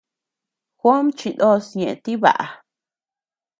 Juóm chinos ñeʼe tibaʼa.